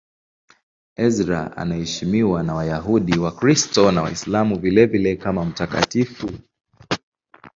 Ezra anaheshimiwa na Wayahudi, Wakristo na Waislamu vilevile kama mtakatifu.